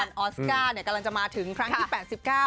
วันออสการ์กำลังจะมาถึงครั้งที่๘๙